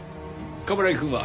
冠城くんは？